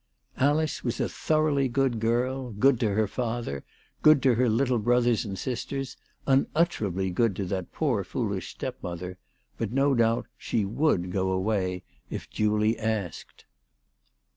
Alice was a thoroughly good girl, good to her father, good to her little brothers and sisters, unutterably good to that poor foolish stepmother; but, no doubt she would " go away " if duly asked.